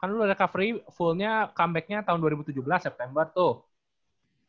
karena dulu recovery fullnya comebacknya tahun dua ribu tujuh belas september tuh